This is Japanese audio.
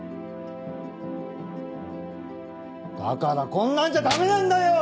だからこんなんじゃダメなんだよ！